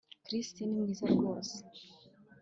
Chris ni mwiza rwose